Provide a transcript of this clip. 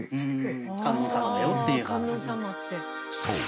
［そう。